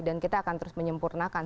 dan kita akan terus menyempurnakan